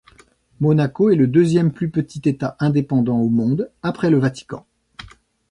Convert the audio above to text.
Monaco est le deuxième plus petit État indépendant au monde, après le Vatican.